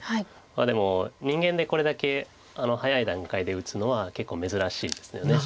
まあでも人間でこれだけ早い段階で打つのは結構珍しいですよね。